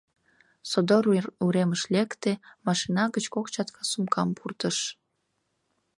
Содор уремыш лекте, машина гыч кок чатка сумкам пуртыш.